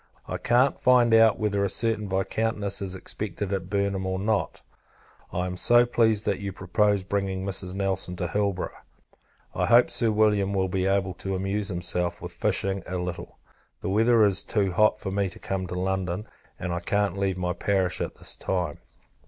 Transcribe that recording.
I can't find out whether a certain Viscountess is expected at Burnham, or no. I am pleased that you propose bringing Mrs. Nelson to Hilborough. I hope, Sir William will be able to amuse himself with fishing a little. The weather is too hot for me to come to London, and I can't leave my parish at this time.